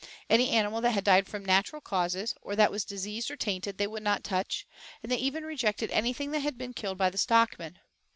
Any animal that had died from natural causes, or that was diseased or tainted, they would not touch, and they even rejected anything that had been killed by the stockmen.